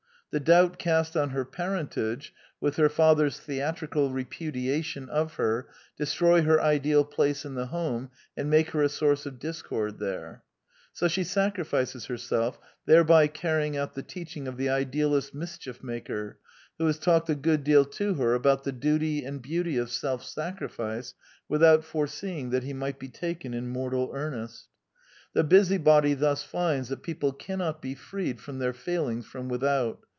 The doubt cast on her parentage, with her father's theatrical repudiation of her, destroy her ideal place in the home, and make her a source of dis cord there; so she sacrifices herself^ thereby carrying out the teaching of the idealist mischief maker, who has talked a good deal to her about the duty and beauty of self sacrifice, without fore seeing that he might be taken in mortal earnest. The busybody thus finds that people cannot be freed from their failings from without.